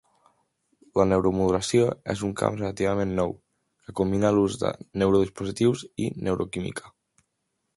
La neuromodulació és un camp relativament nou que combina l'ús de neurodispositius i neuroquímica.